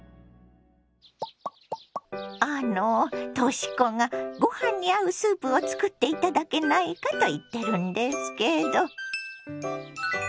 あのとし子がご飯に合うスープを作って頂けないかと言ってるんですけど。